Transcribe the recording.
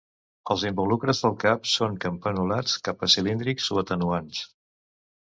Els involucres del cap són campanulats cap a cilíndrics o atenuants.